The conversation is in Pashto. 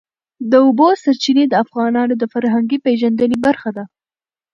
د اوبو سرچینې د افغانانو د فرهنګي پیژندنې برخه ده.